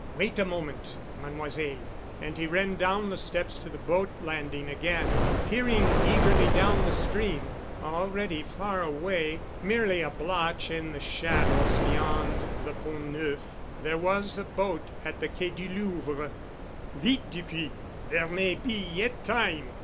"Wait a moment, Mademoiselle." And he ran down the steps to the boat landing again, peering eagerly down the stream. Already far away, merely a blotch in the shadows beyond the Pont Neuf, there was a boat at the Quai du Louvre. "Vite, Dupuy. There may be yet time."